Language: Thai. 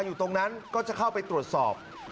อยู่ตรงนั้นก็จะเข้าไปตรวจสอบ